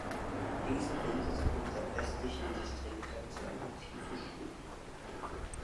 Dieser bildet an der westlichen Distriktgrenze eine tiefe Schlucht.